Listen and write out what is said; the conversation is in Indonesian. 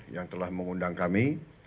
yang telah mengundang kami